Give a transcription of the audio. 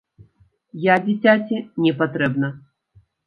Я дзіцяці не патрэбна.